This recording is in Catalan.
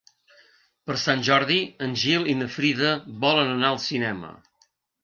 Per Sant Jordi en Gil i na Frida volen anar al cinema.